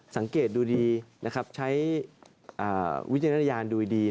สังเกตดูดีใช้วิจัยทะเลยนด่วยดี